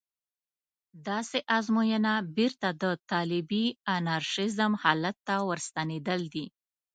داسې ازموینه بېرته د طالبي انارشېزم حالت ته ورستنېدل دي.